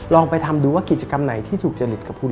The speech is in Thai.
ลองไปทำดูว่ากิจกรรมไหนที่ถูกจริตกับคุณ